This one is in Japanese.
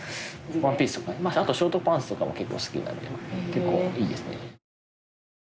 ワンピースとかあとショートパンツとかは結構好きなので結構いいですね。